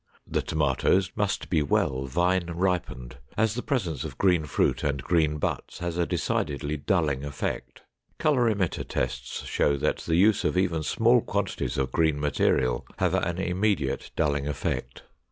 The tomatoes must be well vine ripened, as the presence of green fruit and green butts has a decidedly dulling effect. Colorimeter tests show that the use of even small quantities of green material have an immediate dulling effect.